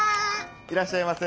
いらっしゃいませ。